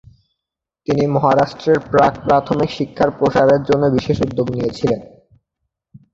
তিনি মহারাষ্ট্রের প্রাক প্রাথমিক শিক্ষার প্রসারের জন্যে বিশেষ উদ্যোগ নিয়েছিলেন।